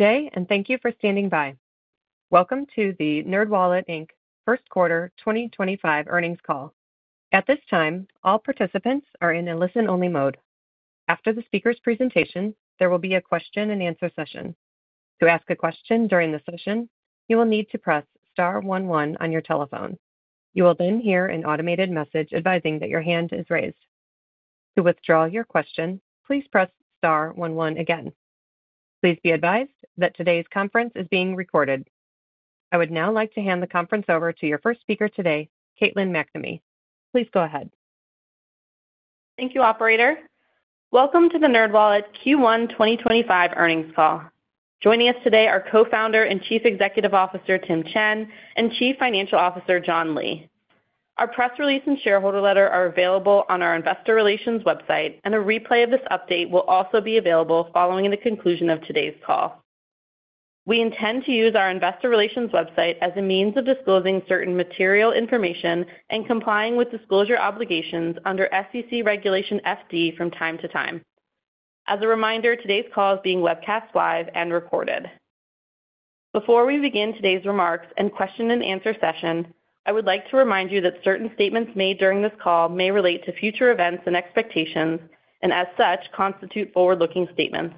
Good day, and thank you for standing by. Welcome to the NerdWallet, Inc first quarter 2025 earnings call. At this time, all participants are in a listen-only mode. After the speaker's presentation, there will be a question-and-answer session. To ask a question during the session, you will need to press star one one on your telephone. You will then hear an automated message advising that your hand is raised. To withdraw your question, please press star one one again. Please be advised that today's conference is being recorded. I would now like to hand the conference over to your first speaker today, Caitlin MacNamee. Please go ahead. Thank you, operator. Welcome to the NerdWallet Q1 2025 earnings call. Joining us today are Co-Founder and Chief Executive Officer Tim Chen and Chief Financial Officer John Lee. Our press release and shareholder letter are available on our investor relations website, and a replay of this update will also be available following the conclusion of today's call. We intend to use our Investor Relations website as a means of disclosing certain material information and complying with disclosure obligations under SEC Regulation FD from time to time. As a reminder, today's call is being webcast live and recorded. Before we begin today's remarks and question-and-answer session, I would like to remind you that certain statements made during this call may relate to future events and expectations, and as such, constitute forward-looking statements.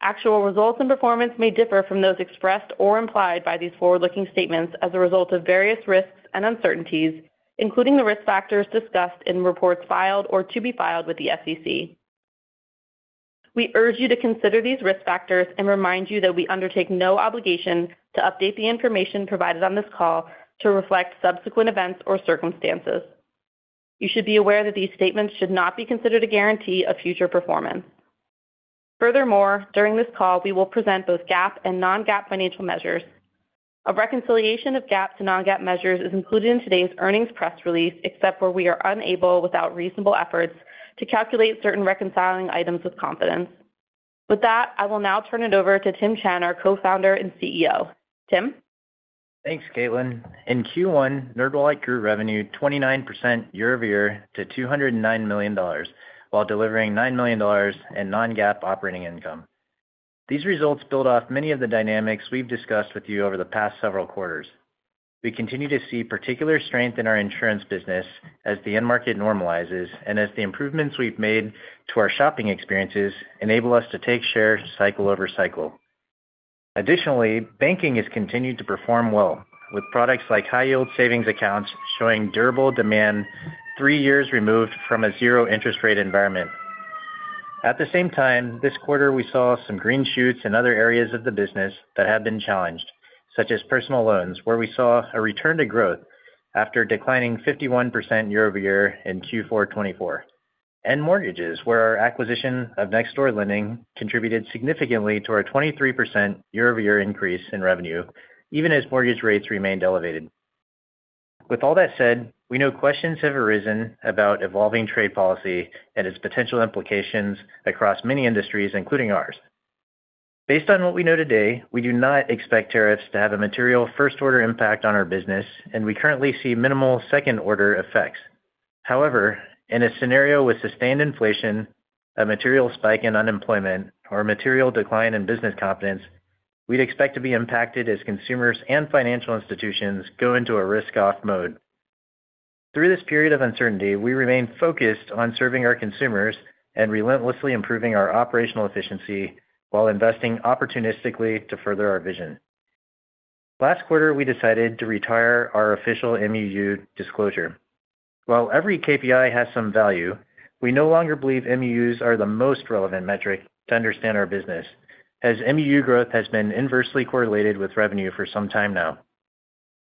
Actual results and performance may differ from those expressed or implied by these forward-looking statements as a result of various risks and uncertainties, including the risk factors discussed in reports filed or to be filed with the SEC. We urge you to consider these risk factors and remind you that we undertake no obligation to update the information provided on this call to reflect subsequent events or circumstances. You should be aware that these statements should not be considered a guarantee of future performance. Furthermore, during this call, we will present both GAAP and non-GAAP financial measures. A reconciliation of GAAP to non-GAAP measures is included in today's earnings press release, except where we are unable, without reasonable efforts, to calculate certain reconciling items with confidence. With that, I will now turn it over to Tim Chen, our Co-Founder and CEO. Tim. Thanks, Caitlin. In Q1, NerdWallet grew revenue 29% year-over-year to $209 million while delivering $9 million in non-GAAP operating income. These results build off many of the dynamics we've discussed with you over the past several quarters. We continue to see particular strength in our insurance business as the end market normalizes and as the improvements we've made to our shopping experiences enable us to take share cycle-over-cycle. Additionally, banking has continued to perform well, with products like high-yield savings accounts showing durable demand three years removed from a zero-interest rate environment. At the same time, this quarter, we saw some green shoots in other areas of the business that have been challenged, such as personal loans, where we saw a return to growth after declining 51% year-over-year in Q4 2024, and mortgages, where our acquisition of Next Door Lending contributed significantly to our 23% year-over-year increase in revenue, even as mortgage rates remained elevated. With all that said, we know questions have arisen about evolving trade policy and its potential implications across many industries, including ours. Based on what we know today, we do not expect tariffs to have a material first-order impact on our business, and we currently see minimal second-order effects. However, in a scenario with sustained inflation, a material spike in unemployment, or a material decline in business confidence, we'd expect to be impacted as consumers and financial institutions go into a risk-off mode. Through this period of uncertainty, we remain focused on serving our consumers and relentlessly improving our operational efficiency while investing opportunistically to further our vision. Last quarter, we decided to retire our official MUU disclosure. While every KPI has some value, we no longer believe MUUs are the most relevant metric to understand our business, as MUU growth has been inversely correlated with revenue for some time now.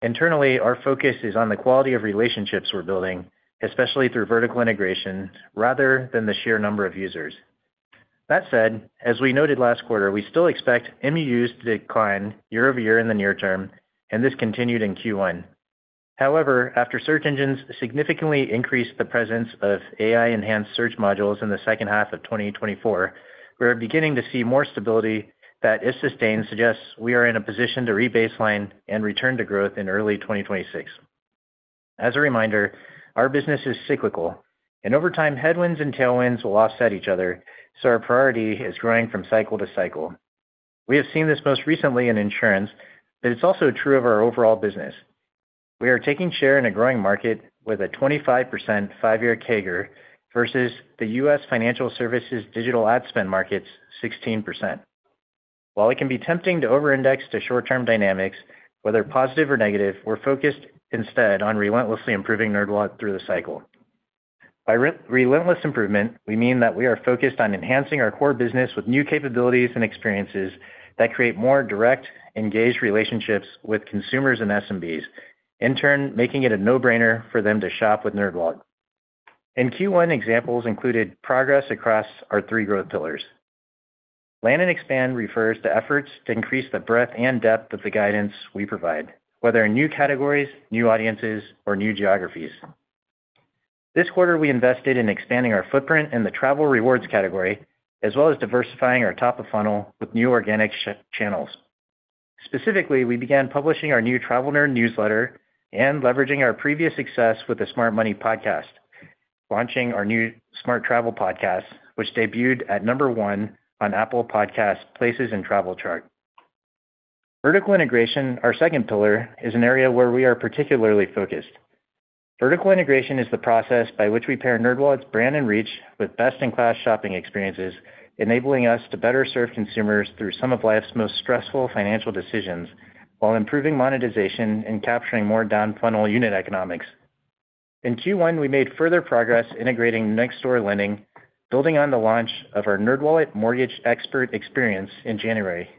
Internally, our focus is on the quality of relationships we're building, especially through vertical integration, rather than the sheer number of users. That said, as we noted last quarter, we still expect MUUs to decline year-over-year in the near term, and this continued in Q1. However, after search engines significantly increased the presence of AI-enhanced search modules in the second half of 2024, we're beginning to see more stability that, if sustained, suggests we are in a position to re-baseline and return to growth in early 2026. As a reminder, our business is cyclical, and over time, headwinds and tailwinds will offset each other, so our priority is growing from cycle to cycle. We have seen this most recently in insurance, but it's also true of our overall business. We are taking share in a growing market with a 25% five-year CAGR versus the U.S. financial services digital ad spend market's 16%. While it can be tempting to over-index to short-term dynamics, whether positive or negative, we're focused instead on relentlessly improving NerdWallet through the cycle. By relentless improvement, we mean that we are focused on enhancing our core business with new capabilities and experiences that create more direct, engaged relationships with consumers and SMBs, in turn making it a no-brainer for them to shop with NerdWallet. In Q1, examples included progress across our three growth pillars. Land & Expand refers to efforts to increase the breadth and depth of the guidance we provide, whether in new categories, new audiences, or new geographies. This quarter, we invested in expanding our footprint in the travel rewards category, as well as diversifying our top-of-funnel with new organic channels. Specifically, we began publishing our new TravelNerd newsletter and leveraging our previous success with the Smart Money podcast, launching our new Smart Travel podcast, which debuted at number one on Apple Podcasts' Places and Travel chart. Vertical integration, our second pillar, is an area where we are particularly focused. Vertical integration is the process by which we pair NerdWallet's brand and reach with best-in-class shopping experiences, enabling us to better serve consumers through some of life's most stressful financial decisions while improving monetization and capturing more down-funnel unit economics. In Q1, we made further progress integrating Next Door Lending, building on the launch of our NerdWallet Mortgage Expert experience in January.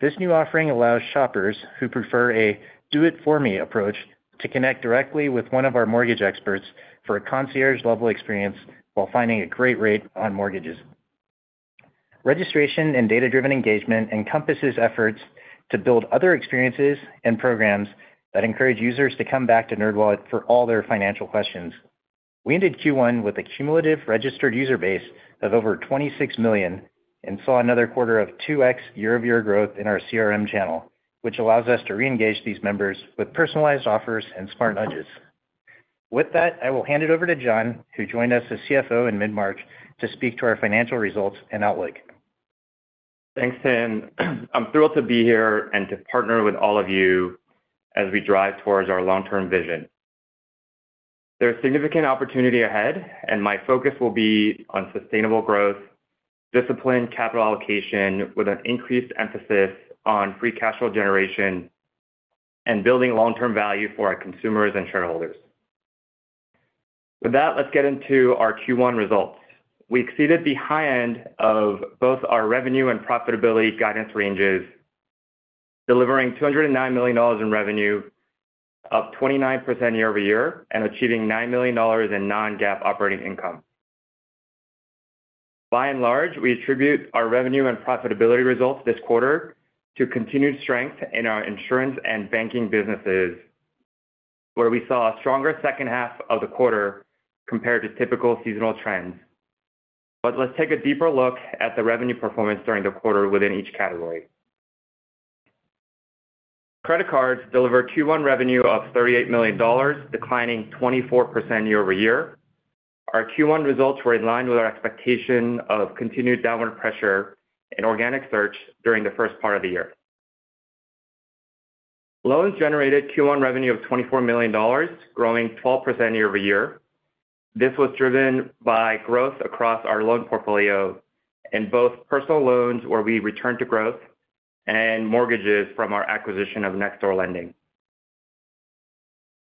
This new offering allows shoppers who prefer a do-it-for-me approach to connect directly with one of our mortgage experts for a concierge-level experience while finding a great rate on mortgages. Registration and data-driven engagement encompasses efforts to build other experiences and programs that encourage users to come back to NerdWallet for all their financial questions. We ended Q1 with a cumulative registered user base of over 26 million and saw another quarter of 2x year-over-year growth in our CRM channel, which allows us to re-engage these members with personalized offers and smart nudges. With that, I will hand it over to John, who joined us as CFO in mid-March, to speak to our financial results and outlook. Thanks, Tim. I'm thrilled to be here and to partner with all of you as we drive towards our long-term vision. There is significant opportunity ahead, and my focus will be on sustainable growth, disciplined capital allocation with an increased emphasis on free cash flow generation and building long-term value for our consumers and shareholders. With that, let's get into our Q1 results. We exceeded the high end of both our revenue and profitability guidance ranges, delivering $209 million in revenue, up 29% year-over-year, and achieving $9 million in non-GAAP operating income. By and large, we attribute our revenue and profitability results this quarter to continued strength in our insurance and banking businesses, where we saw a stronger second half of the quarter compared to typical seasonal trends. Let's take a deeper look at the revenue performance during the quarter within each category. Credit cards deliver Q1 revenue of $38 million, declining 24% year-over-year. Our Q1 results were in line with our expectation of continued downward pressure in organic search during the first part of the year. Loans generated Q1 revenue of $24 million, growing 12% year-over-year. This was driven by growth across our loan portfolio in both personal loans, where we returned to growth, and mortgages from our acquisition of Next Door Lending.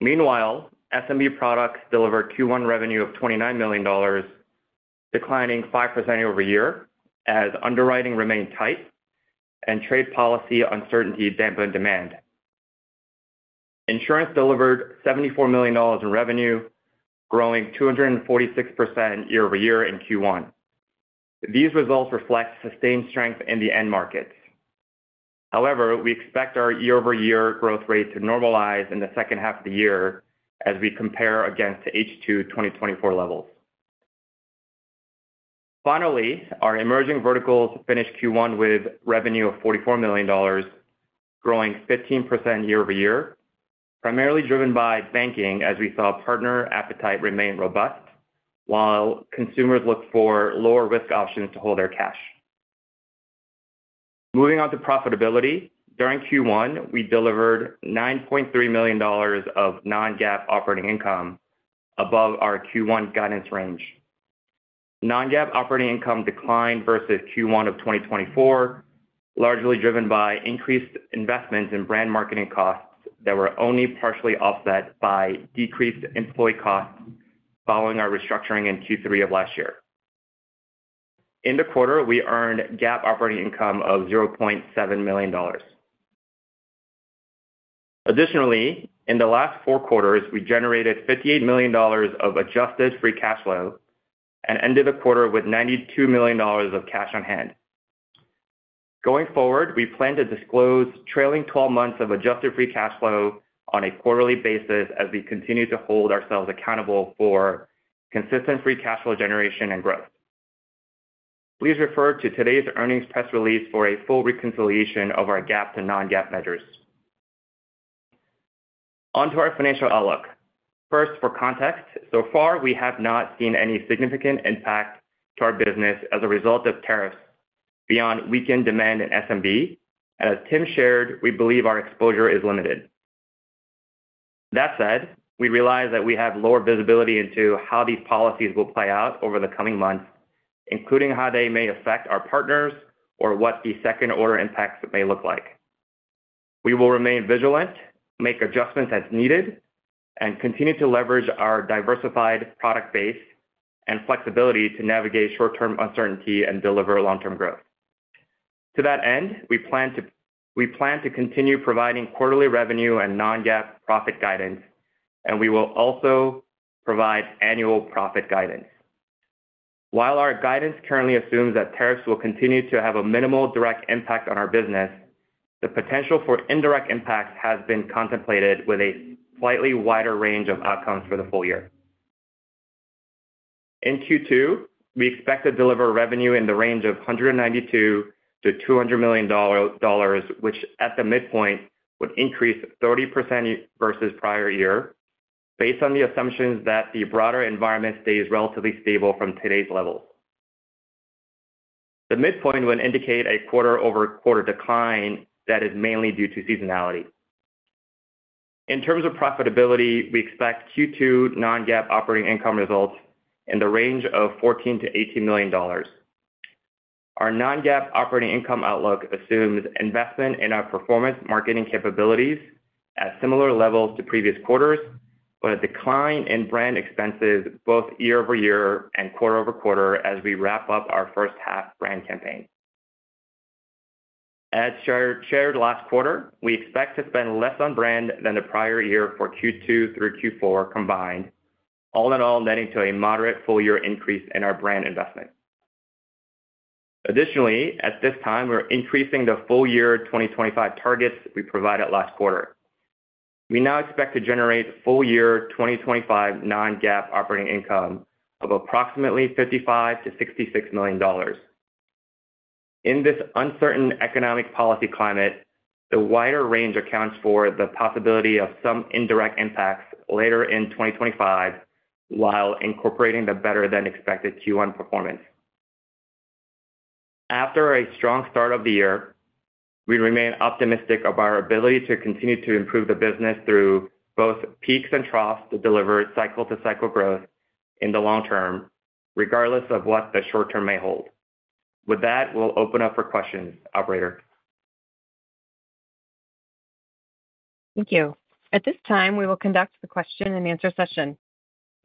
Meanwhile, SMB products delivered Q1 revenue of $29 million, declining 5% year-over-year, as underwriting remained tight and trade policy uncertainty dampened demand. Insurance delivered $74 million in revenue, growing 246% year-over-year in Q1. These results reflect sustained strength in the end markets. However, we expect our year-over-year growth rate to normalize in the second half of the year as we compare against H2 2024 levels. Finally, our emerging verticals finished Q1 with revenue of $44 million, growing 15% year-over-year, primarily driven by banking, as we saw partner appetite remain robust while consumers looked for lower-risk options to hold their cash. Moving on to profitability, during Q1, we delivered $9.3 million of non-GAAP operating income above our Q1 guidance range. Non-GAAP operating income declined versus Q1 of 2024, largely driven by increased investments in brand marketing costs that were only partially offset by decreased employee costs following our restructuring in Q3 of last year. In the quarter, we earned GAAP operating income of $0.7 million. Additionally, in the last four quarters, we generated $58 million of adjusted free cash flow and ended the quarter with $92 million of cash on hand. Going forward, we plan to disclose trailing 12 months of adjusted free cash flow on a quarterly basis as we continue to hold ourselves accountable for consistent free cash flow generation and growth. Please refer to today's earnings press release for a full reconciliation of our GAAP to non-GAAP measures. On to our financial outlook. First, for context, so far, we have not seen any significant impact to our business as a result of tariffs beyond weakened demand in SMB, and as Tim shared, we believe our exposure is limited. That said, we realize that we have lower visibility into how these policies will play out over the coming months, including how they may affect our partners or what the second-order impacts may look like. We will remain vigilant, make adjustments as needed, and continue to leverage our diversified product base and flexibility to navigate short-term uncertainty and deliver long-term growth. To that end, we plan to continue providing quarterly revenue and non-GAAP profit guidance, and we will also provide annual profit guidance. While our guidance currently assumes that tariffs will continue to have a minimal direct impact on our business, the potential for indirect impacts has been contemplated with a slightly wider range of outcomes for the full year. In Q2, we expect to deliver revenue in the range of $192 million-$200 million, which at the midpoint would increase 30% versus prior year, based on the assumptions that the broader environment stays relatively stable from today's levels. The midpoint would indicate a quarter-over-quarter decline that is mainly due to seasonality. In terms of profitability, we expect Q2 non-GAAP operating income results in the range of $14 million-$18 million. Our non-GAAP operating income outlook assumes investment in our performance marketing capabilities at similar levels to previous quarters, but a decline in brand expenses both year-over-year and quarter-over-quarter as we wrap up our first-half brand campaign. As shared last quarter, we expect to spend less on brand than the prior year for Q2 through Q4 combined, all in all, netting to a moderate full-year increase in our brand investment. Additionally, at this time, we're increasing the full-year 2025 targets we provided last quarter. We now expect to generate full-year 2025 non-GAAP operating income of approximately $55 million-66 million. In this uncertain economic policy climate, the wider range accounts for the possibility of some indirect impacts later in 2025 while incorporating the better-than-expected Q1 performance. After a strong start of the year, we remain optimistic about our ability to continue to improve the business through both peaks and troughs to deliver cycle-to-cycle growth in the long term, regardless of what the short term may hold. With that, we'll open up for questions, Operator. Thank you. At this time, we will conduct the question-and-answer session.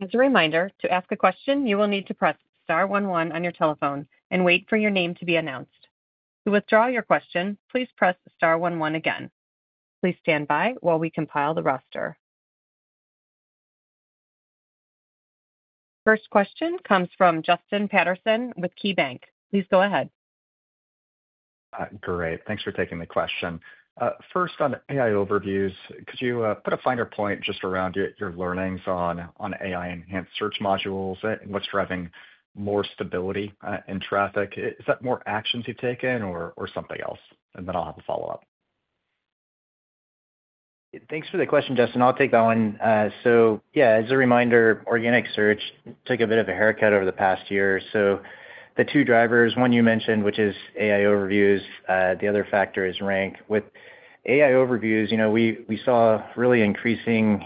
As a reminder, to ask a question, you will need to press star one one on your telephone and wait for your name to be announced. To withdraw your question, please press star one one again. Please stand by while we compile the roster. First question comes from Justin Patterson with KeyBanc. Please go ahead. Great. Thanks for taking the question. First, on AI overviews, could you put a finer point just around your learnings on AI-enhanced search modules and what is driving more stability in traffic? Is that more actions you have taken or something else? I will have a follow-up. Thanks for the question, Justin. I'll take that one. Yeah, as a reminder, organic search took a bit of a haircut over the past year. The two drivers, one you mentioned, which is AI overviews. The other factor is rank. With AI overviews, we saw really increasing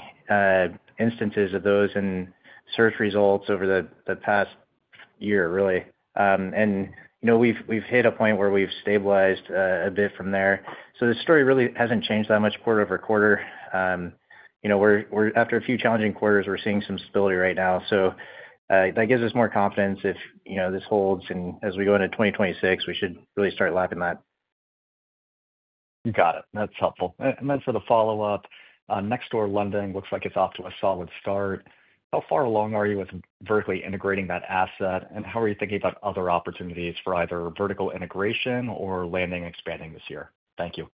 instances of those in search results over the past year, really. We've hit a point where we've stabilized a bit from there. The story really has not changed that much quarter-over-quarter. After a few challenging quarters, we're seeing some stability right now. That gives us more confidence if this holds. As we go into 2026, we should really start lapping that. Got it. That's helpful. For the follow-up, Next Door Lending looks like it's off to a solid start. How far along are you with vertically integrating that asset? How are you thinking about other opportunities for either vertical integration or landing and expanding this year? Thank you.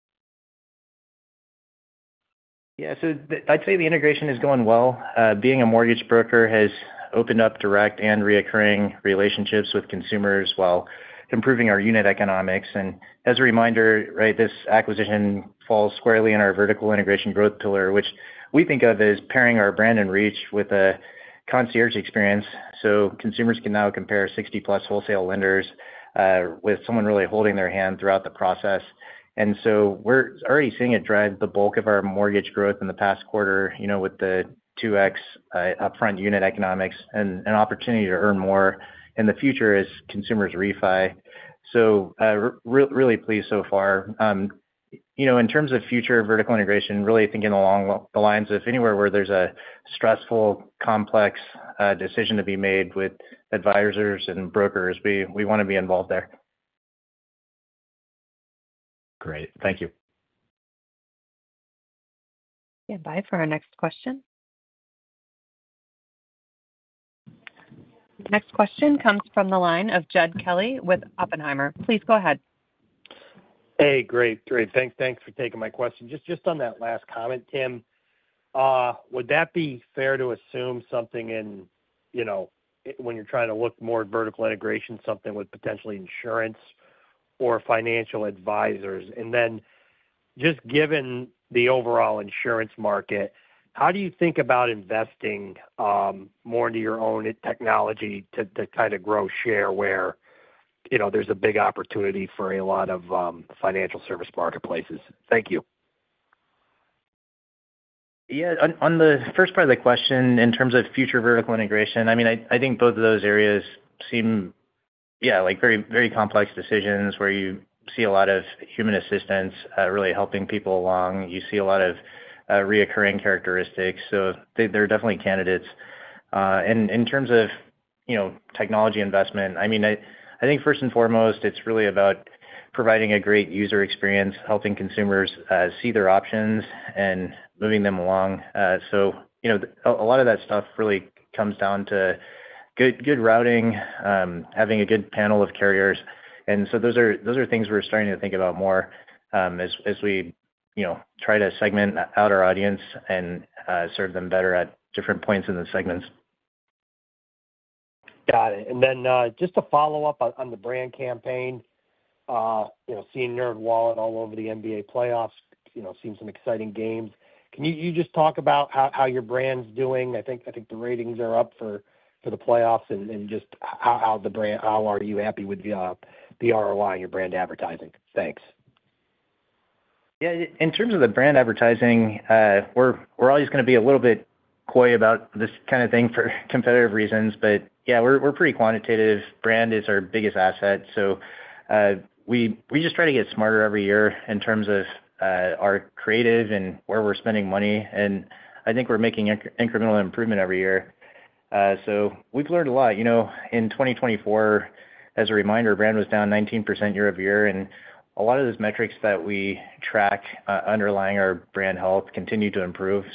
Yeah. I'd say the integration is going well. Being a mortgage broker has opened up direct and recurring relationships with consumers while improving our unit economics. As a reminder, this acquisition falls squarely in our vertical integration growth pillar, which we think of as pairing our brand and reach with a concierge experience so consumers can now compare 60+ wholesale lenders with someone really holding their hand throughout the process. We're already seeing it drive the bulk of our mortgage growth in the past quarter with the 2x upfront unit economics and an opportunity to earn more in the future as consumers refi. Really pleased so far. In terms of future vertical integration, really thinking along the lines of anywhere where there's a stressful, complex decision to be made with advisors and brokers, we want to be involved there. Great. Thank you. Yeah. For our next question. Next question comes from the line of Jed Kelly with Oppenheimer. Please go ahead. Hey, great. Thanks for taking my question. Just on that last comment, Tim, would that be fair to assume something when you're trying to look more at vertical integration, something with potentially insurance or financial advisors? Just given the overall insurance market, how do you think about investing more into your own technology to kind of grow share where there's a big opportunity for a lot of financial service marketplaces? Thank you. Yeah. On the first part of the question, in terms of future vertical integration, I mean, I think both of those areas seem, yeah, like very complex decisions where you see a lot of human assistance really helping people along. You see a lot of recurring characteristics. So they're definitely candidates. In terms of technology investment, I mean, I think first and foremost, it's really about providing a great user experience, helping consumers see their options and moving them along. A lot of that stuff really comes down to good routing, having a good panel of carriers. Those are things we're starting to think about more as we try to segment out our audience and serve them better at different points in the segments. Got it. And then just to follow up on the brand campaign, seeing NerdWallet all over the NBA playoffs, seeing some exciting games. Can you just talk about how your brand's doing? I think the ratings are up for the playoffs and just how are you happy with the ROI in your brand advertising? Thanks. Yeah. In terms of the brand advertising, we're always going to be a little bit coy about this kind of thing for competitive reasons. But yeah, we're pretty quantitative. Brand is our biggest asset. We just try to get smarter every year in terms of our creative and where we're spending money. I think we're making incremental improvement every year. We've learned a lot. In 2024, as a reminder, brand was down 19% year-over-year. A lot of those metrics that we track underlying our brand health continue to improve.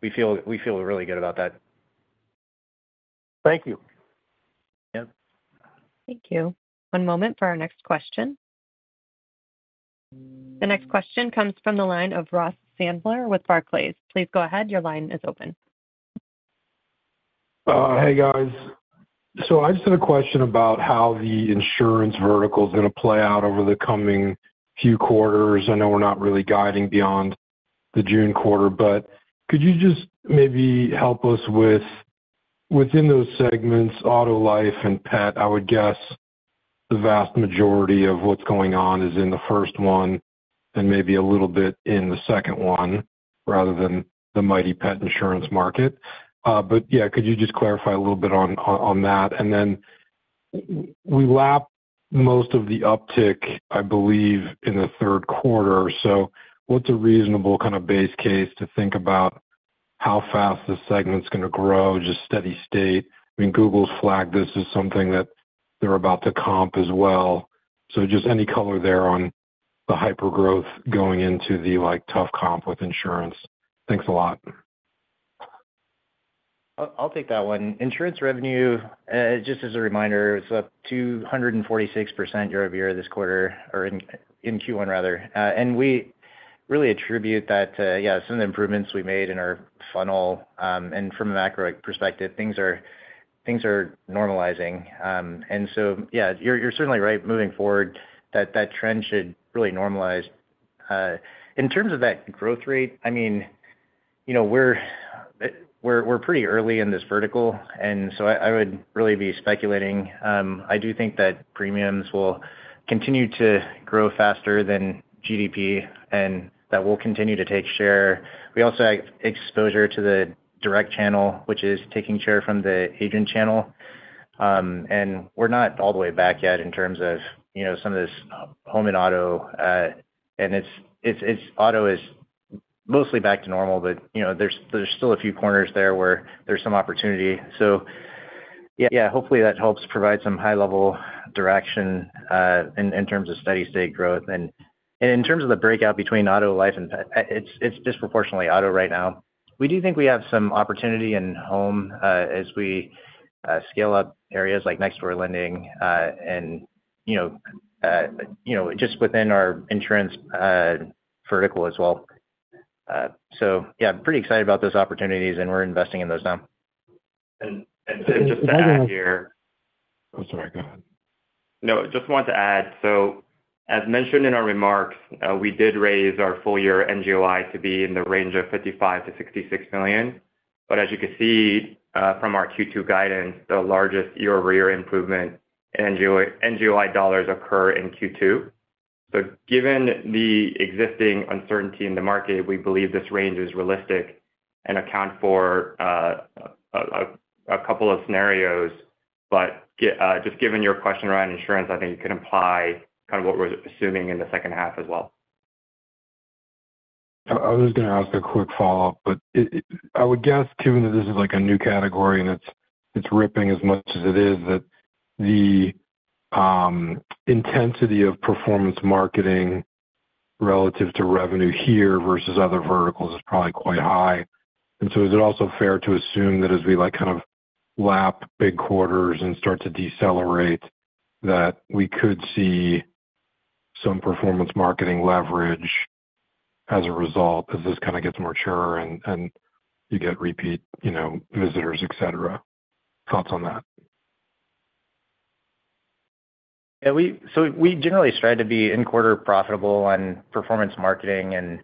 We feel really good about that. Thank you. Yep. Thank you. One moment for our next question. The next question comes from the line of Ross Sandler with Barclays. Please go ahead. Your line is open. Hey, guys. I just had a question about how the insurance vertical is going to play out over the coming few quarters. I know we're not really guiding beyond the June quarter, but could you just maybe help us with, within those segments, auto, life, and pet, I would guess the vast majority of what's going on is in the first one and maybe a little bit in the second one rather than the mighty pet insurance market. Could you just clarify a little bit on that? We lapped most of the uptick, I believe, in the third quarter. What's a reasonable kind of base case to think about how fast the segment's going to grow? Just steady state. I mean, Google's flagged this as something that they're about to comp as well. Just any color there on the hypergrowth going into the tough comp with insurance. Thanks a lot. I'll take that one. Insurance revenue, just as a reminder, it's up 246% year-over-year this quarter or in Q1, rather. We really attribute that to, yeah, some of the improvements we made in our funnel. From a macro perspective, things are normalizing. Yeah, you're certainly right moving forward that that trend should really normalize. In terms of that growth rate, I mean, we're pretty early in this vertical. I would really be speculating. I do think that premiums will continue to grow faster than GDP, and that will continue to take share. We also have exposure to the direct channel, which is taking share from the agent channel. We're not all the way back yet in terms of some of this home and auto. Auto is mostly back to normal, but there's still a few corners there where there's some opportunity. Yeah, hopefully that helps provide some high-level direction in terms of steady-state growth. In terms of the breakout between auto, life, and pet, it is disproportionately auto right now. We do think we have some opportunity in home as we scale up areas like Next Door Lending and just within our insurance vertical as well. Yeah, I am pretty excited about those opportunities, and we are investing in those now. To add here. I'm sorry. Go ahead. No, just wanted to add. As mentioned in our remarks, we did raise our full-year NGOI to be in the range of $55 million-$66 million. As you can see from our Q2 guidance, the largest year-over-year improvement in NGOI dollars occurs in Q2. Given the existing uncertainty in the market, we believe this range is realistic and accounts for a couple of scenarios. Just given your question around insurance, I think you can apply kind of what we're assuming in the second half as well. I was just going to ask a quick follow-up, but I would guess, given that this is like a new category and it's ripping as much as it is, that the intensity of performance marketing relative to revenue here versus other verticals is probably quite high. Is it also fair to assume that as we kind of lap big quarters and start to decelerate, we could see some performance marketing leverage as a result as this kind of gets mature and you get repeat visitors, etc.? Thoughts on that? Yeah. We generally strive to be in quarter profitable on performance marketing.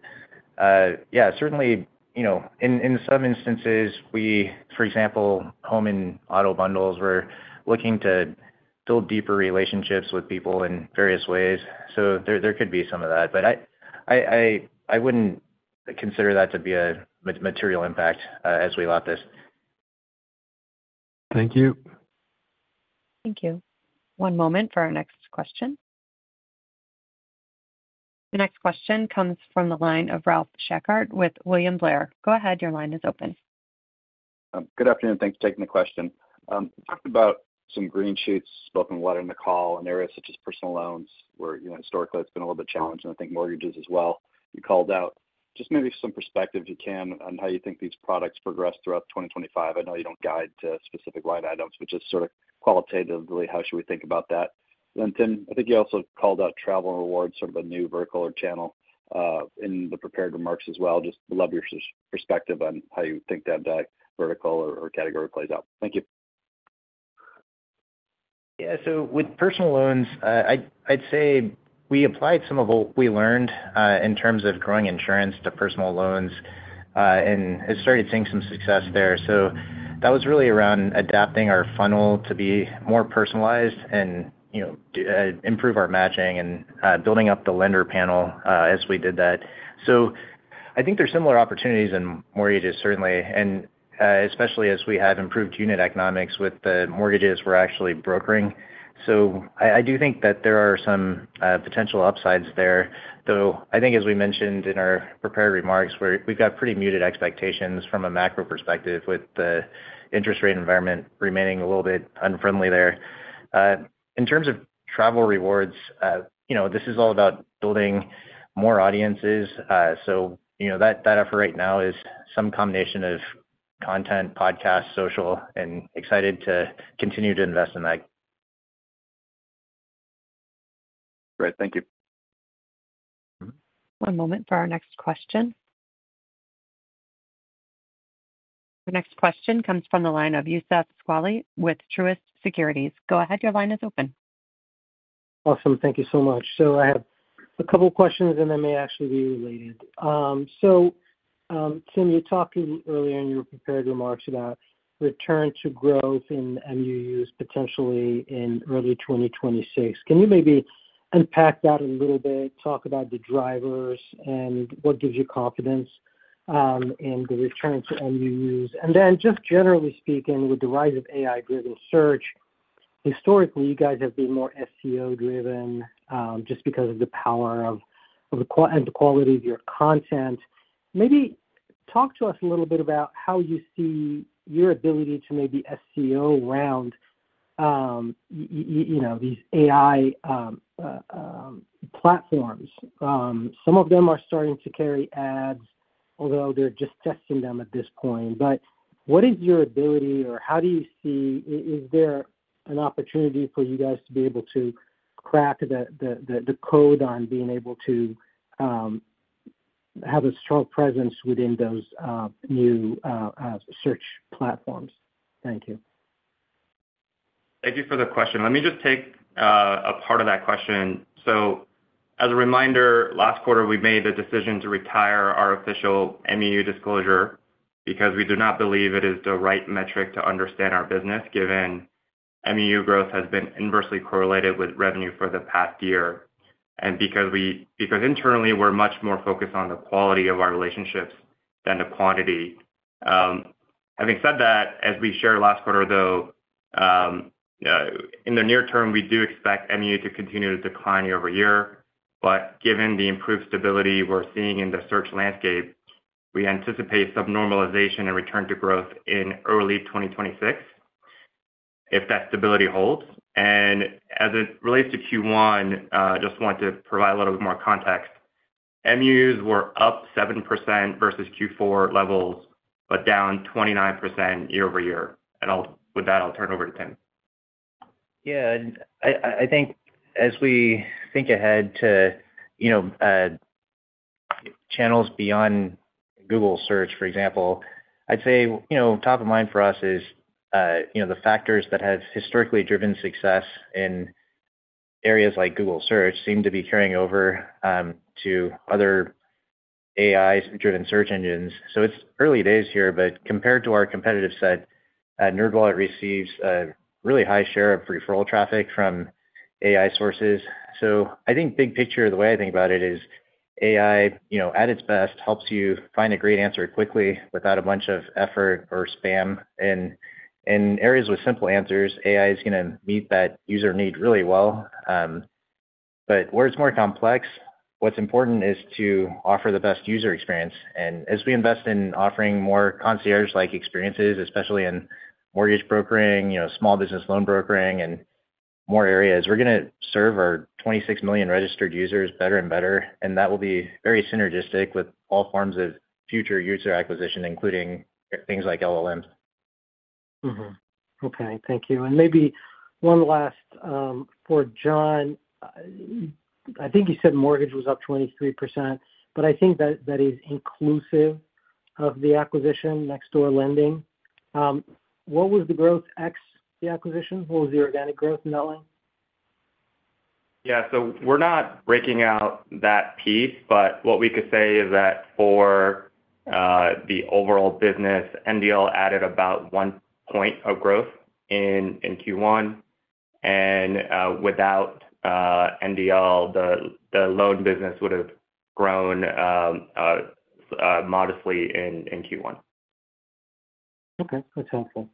Yeah, certainly in some instances, for example, home and auto bundles, we're looking to build deeper relationships with people in various ways. There could be some of that. I wouldn't consider that to be a material impact as we lap this. Thank you. Thank you. One moment for our next question. The next question comes from the line of Ralph Schackart with William Blair. Go ahead. Your line is open. Good afternoon. Thanks for taking the question. You talked about some green shoots both in the letter and the call in areas such as personal loans, where historically it's been a little bit challenging, and I think mortgages as well. You called out just maybe some perspective if you can on how you think these products progress throughout 2025. I know you don't guide to specific line items, but just sort of qualitatively, how should we think about that? Tim, I think you also called out travel and rewards, sort of a new vertical or channel in the prepared remarks as well. Just love your perspective on how you think that vertical or category plays out. Thank you. Yeah. With personal loans, I'd say we applied some of what we learned in terms of growing insurance to personal loans and have started seeing some success there. That was really around adapting our funnel to be more personalized and improve our matching and building up the lender panel as we did that. I think there's similar opportunities in mortgages, certainly, and especially as we have improved unit economics with the mortgages we're actually brokering. I do think that there are some potential upsides there. Though I think, as we mentioned in our prepared remarks, we've got pretty muted expectations from a macro perspective with the interest rate environment remaining a little bit unfriendly there. In terms of travel rewards, this is all about building more audiences. That effort right now is some combination of content, podcast, social, and excited to continue to invest in that. Great. Thank you. One moment for our next question. The next question comes from the line of Youssef Squali with Truist Securities. Go ahead. Your line is open. Awesome. Thank you so much. I have a couple of questions, and they may actually be related. Tim, you talked earlier in your prepared remarks about return to growth in MUUs potentially in early 2026. Can you maybe unpack that a little bit, talk about the drivers and what gives you confidence in the return to MUUs? Just generally speaking, with the rise of AI-driven search, historically, you guys have been more SEO-driven just because of the power and the quality of your content. Maybe talk to us a little bit about how you see your ability to maybe SEO around these AI platforms. Some of them are starting to carry ads, although they're just testing them at this point. What is your ability, or how do you see is there an opportunity for you guys to be able to crack the code on being able to have a strong presence within those new search platforms? Thank you. Thank you for the question. Let me just take a part of that question. As a reminder, last quarter, we made the decision to retire our official MUU disclosure because we do not believe it is the right metric to understand our business, given MUU growth has been inversely correlated with revenue for the past year. Because internally, we're much more focused on the quality of our relationships than the quantity. Having said that, as we shared last quarter, though, in the near term, we do expect MUU to continue to decline year-over-year. Given the improved stability we're seeing in the search landscape, we anticipate some normalization and return to growth in early 2026 if that stability holds. As it relates to Q1, I just want to provide a little bit more context. MUUs were up 7% versus Q4 levels, but down 29% year-over-year. With that, I'll turn it over to Tim. Yeah. I think as we think ahead to channels beyond Google Search, for example, I'd say top of mind for us is the factors that have historically driven success in areas like Google Search seem to be carrying over to other AI-driven search engines. It's early days here, but compared to our competitive set, NerdWallet receives a really high share of referral traffic from AI sources. I think big picture, the way I think about it is AI, at its best, helps you find a great answer quickly without a bunch of effort or spam. In areas with simple answers, AI is going to meet that user need really well. Where it's more complex, what's important is to offer the best user experience. As we invest in offering more concierge-like experiences, especially in mortgage brokering, small business loan brokering, and more areas, we're going to serve our 26 million registered users better and better. That will be very synergistic with all forms of future user acquisition, including things like LLMs. Okay. Thank you. Maybe one last for John. I think you said mortgage was up 23%, but I think that is inclusive of the acquisition, Next Door Lending. What was the growth ex the acquisition? What was the organic growth in that line? Yeah. We're not breaking out that piece, but what we could say is that for the overall business, NDL added about one point of growth in Q1. Without NDL, the loan business would have grown modestly in Q1. Okay. That's helpful.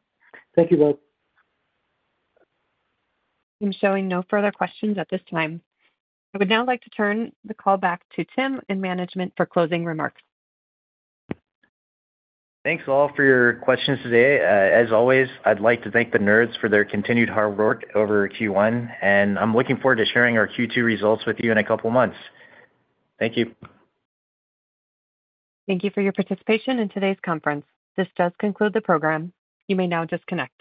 Thank you both. I'm showing no further questions at this time. I would now like to turn the call back to Tim and management for closing remarks. Thanks all for your questions today. As always, I'd like to thank the Nerds for their continued hard work over Q1. I'm looking forward to sharing our Q2 results with you in a couple of months. Thank you. Thank you for your participation in today's conference. This does conclude the program. You may now disconnect.